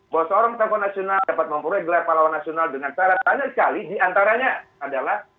bahwa seorang tokoh nasional dapat memperoleh gelar pahlawan nasional dengan syarat banyak sekali diantaranya adalah